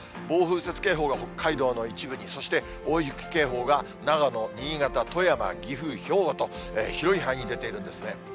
暴風雪警報が北海道の一部に、そして大雪警報が長野、新潟、富山、岐阜、兵庫と、広い範囲に出ているんですね。